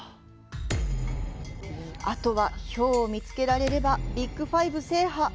あとはヒョウを見つけられればビッグ５制覇。